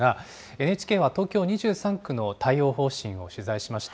ＮＨＫは東京２３区の対応方針を取材しました。